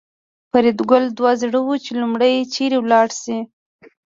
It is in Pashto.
فریدګل دوه زړی و چې لومړی چېرته لاړ شي